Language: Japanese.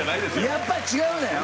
やっぱり違うねん。